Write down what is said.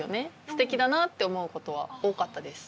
すてきだなと思うことは多かったです。